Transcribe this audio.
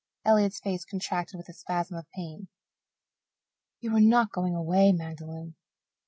Elliott's face contracted with a spasm of pain. "You are not going away, Magdalen?"